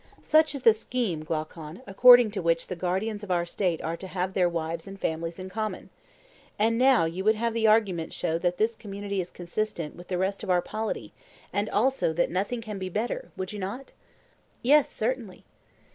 Such is the scheme, Glaucon, according to which the guardians of our State are to have their wives and families in common. And now you would have the argument show that this community is consistent with the rest of our polity, and also that nothing can be better—would you not? Yes, certainly.